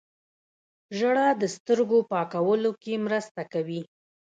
ژړا د سترګو پاکولو کې مرسته کوي